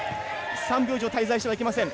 ３秒以上滞在してはいけません。